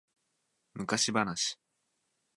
昔話